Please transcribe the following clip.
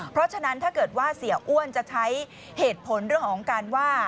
เพราะฉะนั้นถ้าเกิดว่าเสียอ้วนจะใช้เหตุผลเรื่องของการว่า